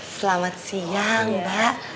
selamat siang mbak